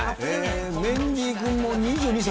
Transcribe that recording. メンディー君も２２歳？